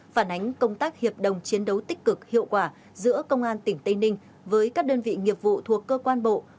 phản ánh công tác hiệp đồng chiến đấu tích cực hiệu quả giữa công an tỉnh tây ninh với các đơn vị nghiệp vụ thuộc cơ quan bộ